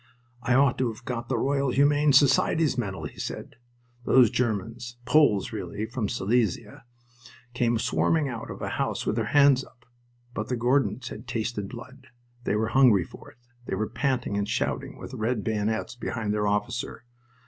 "I ought to have got the Royal Humane Society's medal," he said. Those Germans Poles, really, from Silesia came swarming out of a house with their hands up. But the Gordons had tasted blood. They were hungry for it. They were panting and shouting, with red bayonets, behind their officer.